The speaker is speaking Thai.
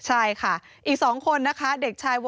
ใช่ค่ะอีก๒คนนะคะ